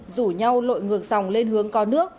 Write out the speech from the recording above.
rủ nhau lội ngược dòng lên hướng co nước